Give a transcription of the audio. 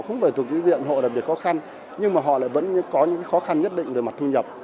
không phải thuộc diện hộ đặc biệt khó khăn nhưng mà họ lại vẫn có những khó khăn nhất định về mặt thu nhập